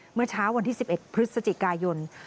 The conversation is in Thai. เมื่อเช้าวันที่๑๑พฤศจิกายน